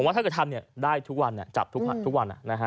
ผมว่าถ้าเกิดทำเนี่ยได้ทุกวันจับทุกวันนะฮะ